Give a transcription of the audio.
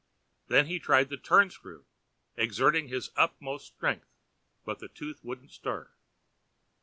Then he tried the turn screw, exerting his utmost strength, but the tooth wouldn't stir.